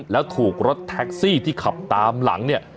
แล้วถูกรถแท็กซี่ที่ขับตามหลังเนี่ย